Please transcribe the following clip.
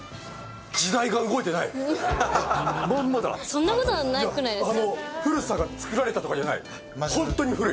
そんなことはなくないですか？